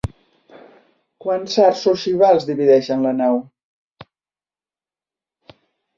Quants arcs ogivals divideixen la nau?